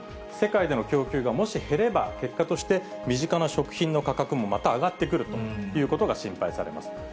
世界での供給がもし減れば、結果として、身近な食品の価格もまた上がってくるということが心配されます。